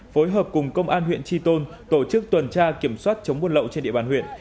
phối hợp cùng công an huyện tri tôn tổ chức tuần tra kiểm soát chống buôn lậu trên địa bàn huyện